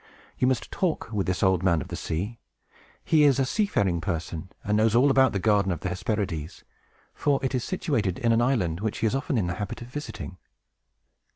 You must talk with this Old Man of the Sea. He is a sea faring person, and knows all about the garden of the Hesperides; for it is situated in an island which he is often in the habit of visiting."